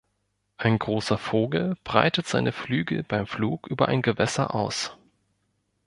Ein großer Vogel breitet seine Flügel beim Flug über ein Gewässer aus.